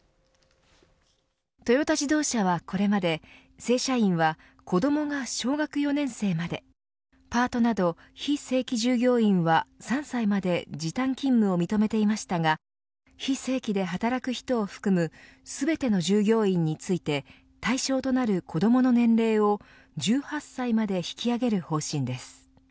トヨタ自動車はこれまで正社員は子どもが小学４年生までパートなど非正規従業員は３歳まで時短勤務を認めていましたが非正規で働く人を含む全ての従業員について対象となる子どもの年齢を１８歳まで引き上げる方針です。